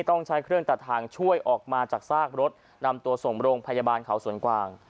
ต้องใช้เครื่องตัดทางช่วยออกมาจากซากรถนำตัวส่งโรงพยาบาลเขาสวนกวาง